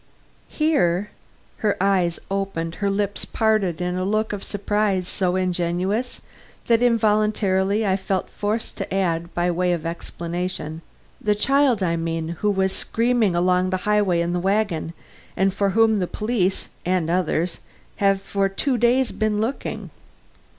"Here?" her eyes opened, her lips parted in a look of surprise so ingenuous that involuntarily I felt forced to add, by way of explanation: "The child, I mean, who was carried screaming along the highway in a wagon and for whom the police and others have for two days been looking."